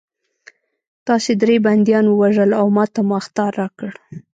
تاسې درې بندیان ووژل او ماته مو اخطار راکړ